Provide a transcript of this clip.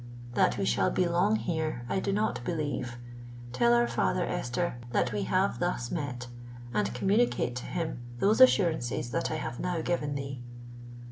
That we shall be long here, I do not believe. Tell our father, Esther, that we have thus met; and communicate to him those assurances that I have now given thee."